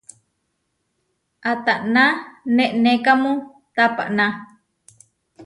¿Atána neʼnékamu taapaná?